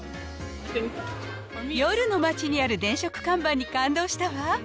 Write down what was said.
夜の街にある電飾看板に感動したわ。